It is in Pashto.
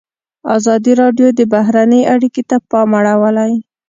ازادي راډیو د بهرنۍ اړیکې ته پام اړولی.